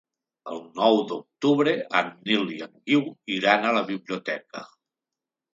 El nou d'octubre en Nil i en Guiu iran a la biblioteca.